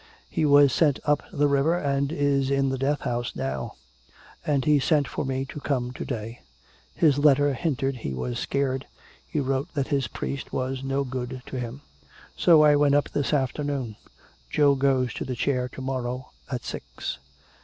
He was sent up the river and is in the death house now and he sent for me to come to day. His letter hinted he was scared, he wrote that his priest was no good to him. So I went up this afternoon. Joe goes to the chair to morrow at six."